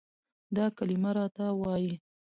دا کلمه راته وايي،